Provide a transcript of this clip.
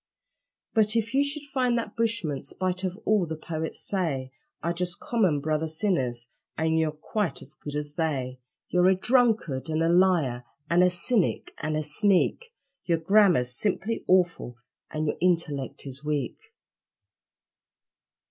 But if you should find that bushmen spite of all the poets say Are just common brother sinners, and you're quite as good as they You're a drunkard, and a liar, and a cynic, and a sneak, Your grammar's simply awful and your intellect is weak.